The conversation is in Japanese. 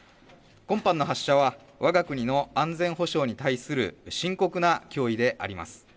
今般の発射はわが国の安全保障に対する深刻な脅威であります。